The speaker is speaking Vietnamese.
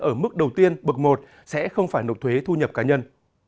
ở mức đầu tiên bậc một sẽ không phải nộp thuế thu nhập cá nhân